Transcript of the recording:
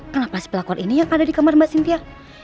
kenapa si pelakor ini yang ada di kamar mbak cynthia